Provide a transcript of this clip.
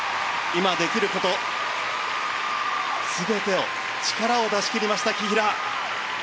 今できること全てを力を出し切りました、紀平。